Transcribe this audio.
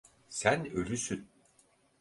Sen ölüsün!